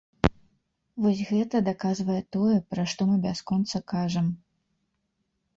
Вось гэта даказвае тое, пра што мы бясконца кажам.